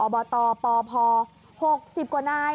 บตปพ๖๐กว่านาย